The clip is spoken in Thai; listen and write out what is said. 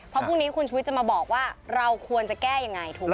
เพราะพรุ่งนี้คุณชุวิตจะมาบอกว่าเราควรจะแก้ยังไงถูกไหม